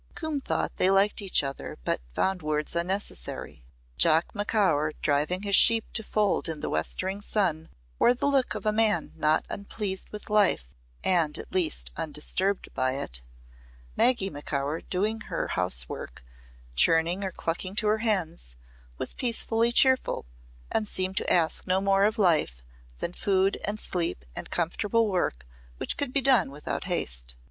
Coombe thought they liked each other but found words unnecessary. Jock Macaur driving his sheep to fold in the westering sun wore the look of a man not unpleased with life and at least undisturbed by it. Maggy Macaur doing her housework, churning or clucking to her hens, was peacefully cheerful and seemed to ask no more of life than food and sleep and comfortable work which could be done without haste.